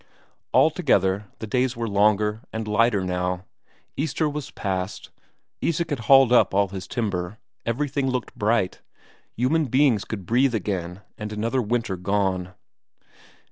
Altogether, the days were longer and lighter now; Easter was past, Isak had hauled up all his timber, everything looked bright, human beings could breathe again after another winter gone.